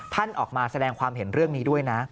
ท่านออกมาแสดงความเห็นเรื่องนี้ด้วยนะ